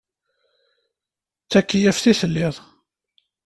D takeyyaft i telliḍ?